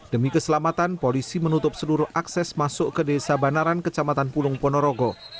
demi keselamatan polisi menutup seluruh akses masuk ke desa banaran kecamatan pulung ponorogo